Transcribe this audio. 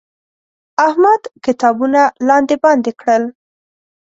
احمد کتابونه لاندې باندې کړل.